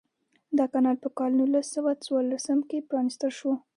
دا کانال په کال نولس سوه څوارلسم کې پرانیستل شو.